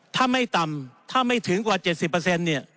ถ้าไม่ต่ำถ้าไม่ถึงกว่า๗๐เนี่ย